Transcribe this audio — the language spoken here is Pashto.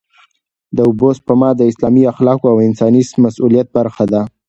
د اوبو سپما د اسلامي اخلاقو او انساني مسوولیت برخه ده.